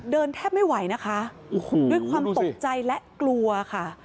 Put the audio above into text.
แทบไม่ไหวนะคะด้วยความตกใจและกลัวค่ะ